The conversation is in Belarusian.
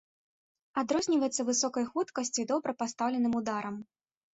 Адрозніваецца высокай хуткасцю і добра пастаўленым ударам.